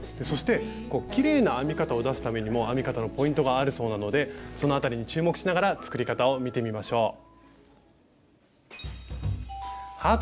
そしてきれいな編み方を出すためにも編み方のポイントがあるそうなのでそのあたりに注目しながら作り方を見てみましょう。